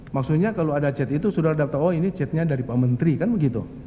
maksudnya kalau ada chat itu saudara daftar oh ini chatnya dari pak menteri kan begitu